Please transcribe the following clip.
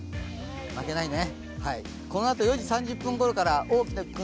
負けないね。